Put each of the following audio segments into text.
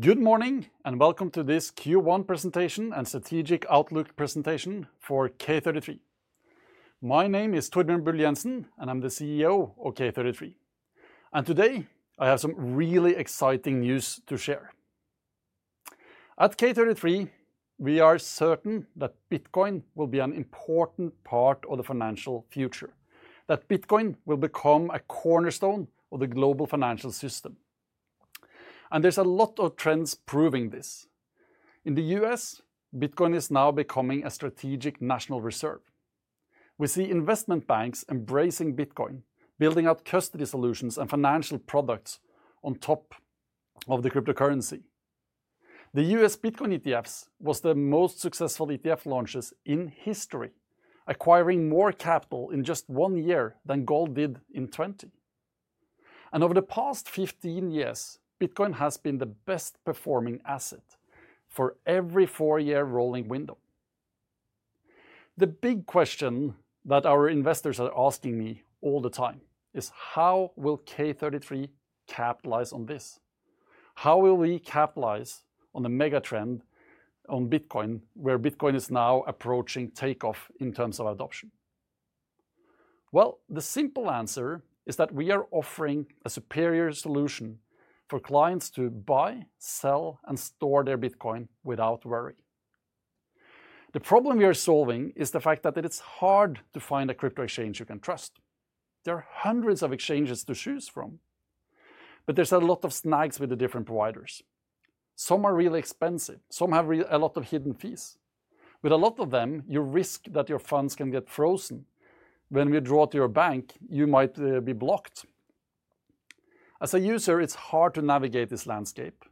Good morning, and welcome to this Q1 presentation and Strategic Outlook presentation for K33. My name is Torbjørn Bull Jenssen, and I'm the CEO of K33. Today, I have some really exciting news to share. At K33, we are certain that Bitcoin will be an important part of the financial future, that Bitcoin will become a cornerstone of the global financial system. There are a lot of trends proving this. In the U.S., Bitcoin is now becoming a strategic national reserve. We see investment banks embracing Bitcoin, building out custody solutions and financial products on top of the cryptocurrency. The US Bitcoin ETFs were the most successful ETF launches in history, acquiring more capital in just one year than gold did in 20. Over the past 15 years, Bitcoin has been the best-performing asset for every four-year rolling window. The big question that our investors are asking me all the time is, how will K33 capitalize on this? How will we capitalize on the megatrend on Bitcoin, where Bitcoin is now approaching takeoff in terms of adoption? The simple answer is that we are offering a superior solution for clients to buy, sell, and store their Bitcoin without worry. The problem we are solving is the fact that it's hard to find a crypto exchange you can trust. There are hundreds of exchanges to choose from, but there's a lot of snags with the different providers. Some are really expensive. Some have a lot of hidden fees. With a lot of them, you risk that your funds can get frozen. When we draw to your bank, you might be blocked. As a user, it's hard to navigate this landscape,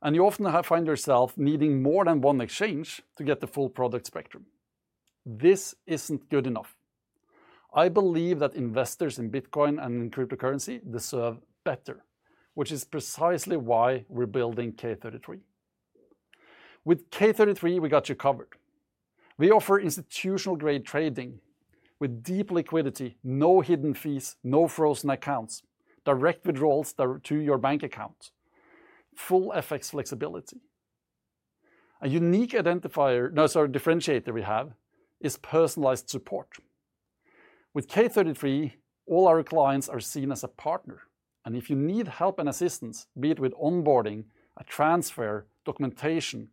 and you often find yourself needing more than one exchange to get the full product spectrum. This isn't good enough. I believe that investors in Bitcoin and in cryptocurrency deserve better, which is precisely why we're building K33. With K33, we got you covered. We offer institutional-grade trading with deep liquidity, no hidden fees, no frozen accounts, direct withdrawals to your bank account, full FX flexibility. A unique differentiator we have is personalized support. With K33, all our clients are seen as a partner. If you need help and assistance, be it with onboarding, a transfer, documentation,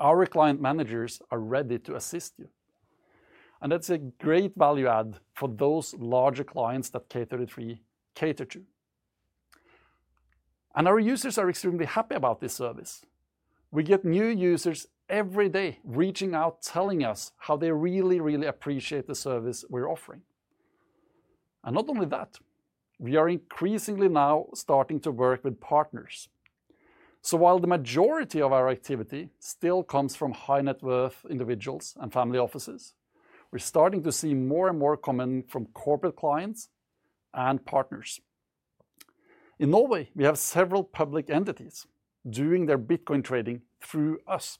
our client managers are ready to assist you. That's a great value add for those larger clients that K33 cater to. Our users are extremely happy about this service. We get new users every day reaching out, telling us how they really, really appreciate the service we're offering. Not only that, we are increasingly now starting to work with partners. While the majority of our activity still comes from high-net-worth individuals and family offices, we're starting to see more and more coming from corporate clients and partners. In Norway, we have several public entities doing their Bitcoin trading through us.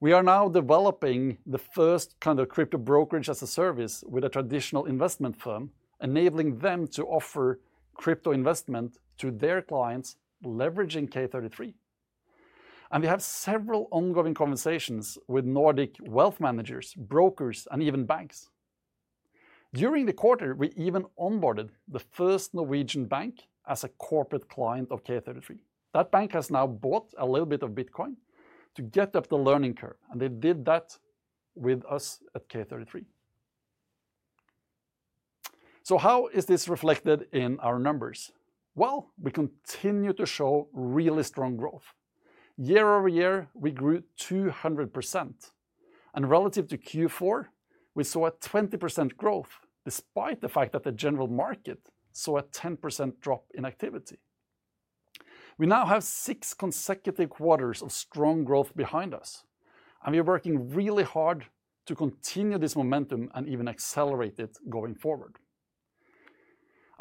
We are now developing the first kind of crypto brokerage-as-a-service with a traditional investment firm, enabling them to offer crypto investment to their clients, leveraging K33. We have several ongoing conversations with Nordic wealth managers, brokers, and even banks. During the quarter, we even onboarded the first Norwegian bank as a corporate client of K33. That bank has now bought a little bit of Bitcoin to get up the learning curve, and they did that with us at K33. How is this reflected in our numbers? We continue to show really strong growth. Year over year, we grew 200%. Relative to Q4, we saw a 20% growth despite the fact that the general market saw a 10% drop in activity. We now have six consecutive quarters of strong growth behind us, and we are working really hard to continue this momentum and even accelerate it going forward.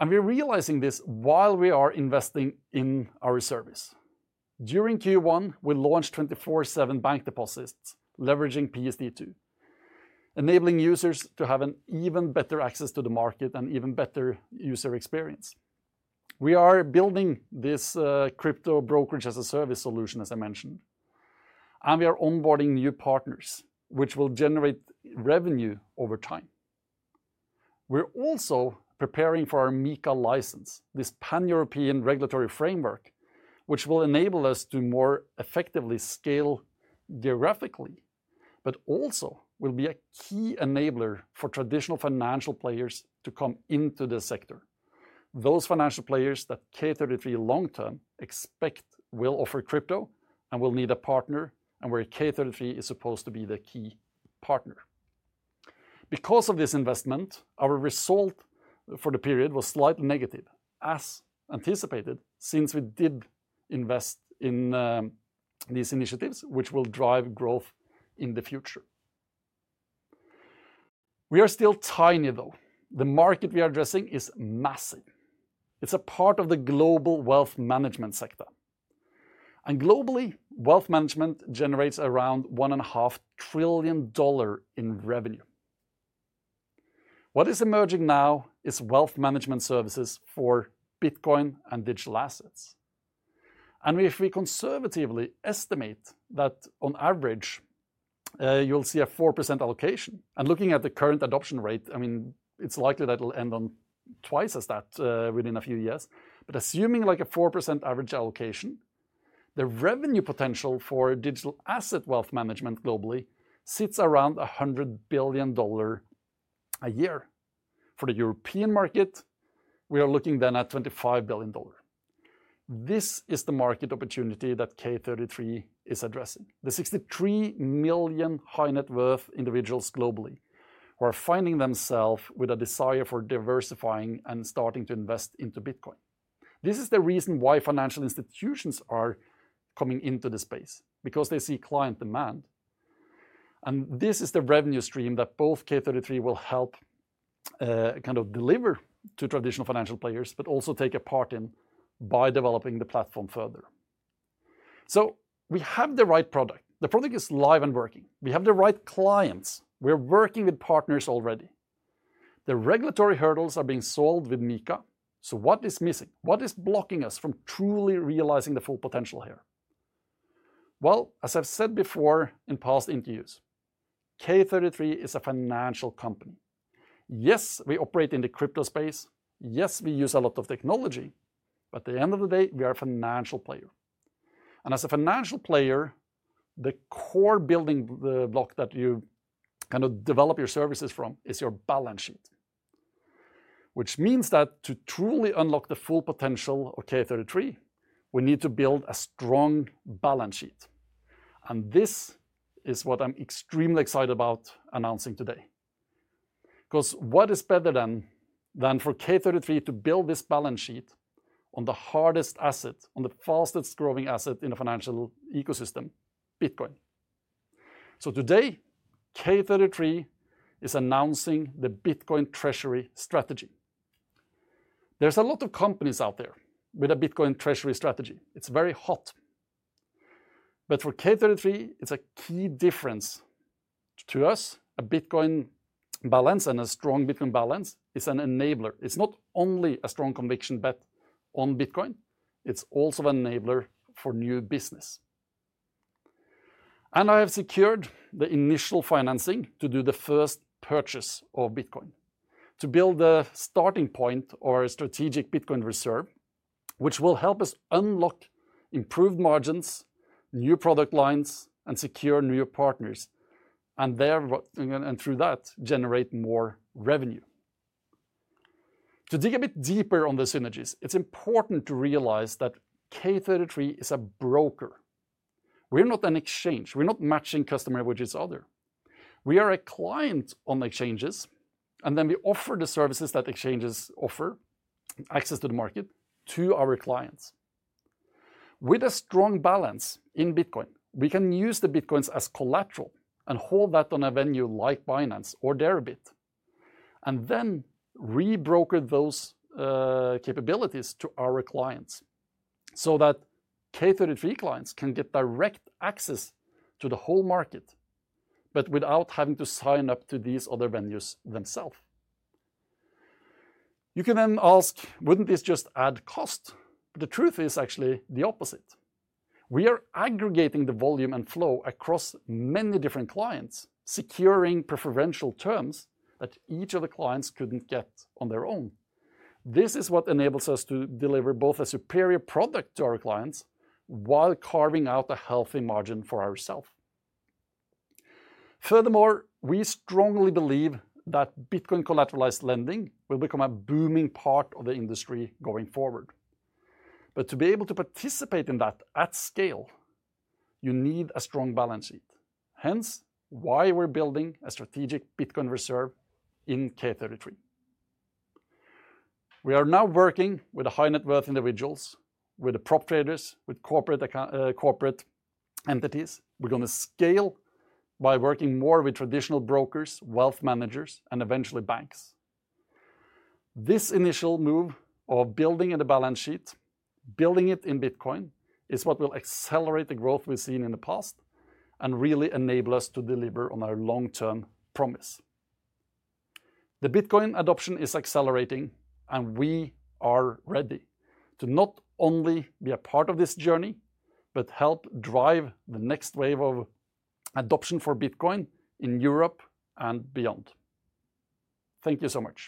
We are realizing this while we are investing in our service. During Q1, we launched 24/7 bank deposits, leveraging PSD2, enabling users to have an even better access to the market and an even better user experience. We are building this crypto brokerage-as-a-service solution, as I mentioned, and we are onboarding new partners, which will generate revenue over time. We're also preparing for our MiCA license, this pan-European regulatory framework, which will enable us to more effectively scale geographically, but also will be a key enabler for traditional financial players to come into the sector. Those financial players that K33 long-term expect will offer crypto and will need a partner, and where K33 is supposed to be the key partner. Because of this investment, our result for the period was slightly negative, as anticipated, since we did invest in these initiatives, which will drive growth in the future. We are still tiny, though. The market we are addressing is massive. It's a part of the global wealth management sector. Globally, wealth management generates around $1.5 trillion in revenue. What is emerging now is wealth management services for Bitcoin and digital assets. If we conservatively estimate that on average, you'll see a 4% allocation. Looking at the current adoption rate, I mean, it's likely that it'll end on twice as that within a few years. Assuming like a 4% average allocation, the revenue potential for digital asset wealth management globally sits around $100 billion a year. For the European market, we are looking then at $25 billion. This is the market opportunity that K33 is addressing. The 63 million high-net-worth individuals globally who are finding themselves with a desire for diversifying and starting to invest into Bitcoin. This is the reason why financial institutions are coming into the space, because they see client demand. This is the revenue stream that both K33 will help kind of deliver to traditional financial players, but also take a part in by developing the platform further. We have the right product. The product is live and working. We have the right clients. We're working with partners already. The regulatory hurdles are being solved with MiCA. What is missing? What is blocking us from truly realizing the full potential here? As I've said before in past interviews, K33 is a financial company. Yes, we operate in the crypto space. Yes, we use a lot of technology. At the end of the day, we are a financial player. As a financial player, the core building block that you kind of develop your services from is your balance sheet, which means that to truly unlock the full potential of K33, we need to build a strong balance sheet. This is what I'm extremely excited about announcing today. What is better than for K33 to build this balance sheet on the hardest asset, on the fastest growing asset in the financial ecosystem, Bitcoin? Today, K33 is announcing the Bitcoin Treasury strategy. There are a lot of companies out there with a Bitcoin Treasury strategy. It's very hot. For K33, it's a key difference to us. A Bitcoin balance and a strong Bitcoin balance is an enabler. It's not only a strong conviction bet on Bitcoin. It's also an enabler for new business. I have secured the initial financing to do the first purchase of Bitcoin, to build the starting point or a strategic Bitcoin reserve, which will help us unlock improved margins, new product lines, and secure new partners, and through that, generate more revenue. To dig a bit deeper on the synergies, it's important to realize that K33 is a broker. We're not an exchange. We're not matching customer with each other. We are a client on the exchanges, and then we offer the services that exchanges offer, access to the market, to our clients. With a strong balance in Bitcoin, we can use the Bitcoins as collateral and hold that on a venue like Binance or Deribit, and then re-broker those capabilities to our clients so that K33 clients can get direct access to the whole market, but without having to sign up to these other venues themselves. You can then ask, wouldn't this just add cost? The truth is actually the opposite. We are aggregating the volume and flow across many different clients, securing preferential terms that each of the clients couldn't get on their own. This is what enables us to deliver both a superior product to our clients while carving out a healthy margin for ourselves. Furthermore, we strongly believe that Bitcoin collateralized lending will become a booming part of the industry going forward. To be able to participate in that at scale, you need a strong balance sheet. Hence, why we're building a strategic Bitcoin reserve in K33. We are now working with high-net-worth individuals, with prop traders, with corporate entities. We're going to scale by working more with traditional brokers, wealth managers, and eventually banks. This initial move of building a balance sheet, building it in Bitcoin, is what will accelerate the growth we've seen in the past and really enable us to deliver on our long-term promise. The Bitcoin adoption is accelerating, and we are ready to not only be a part of this journey, but help drive the next wave of adoption for Bitcoin in Europe and beyond. Thank you so much.